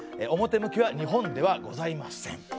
表向きは日本ではございません。